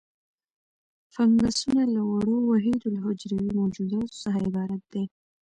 فنګسونه له وړو وحیدالحجروي موجوداتو څخه عبارت دي.